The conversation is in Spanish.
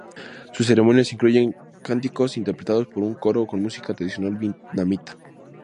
Sus ceremonias incluyen cánticos interpretados por un coro con música tradicional vietnamita.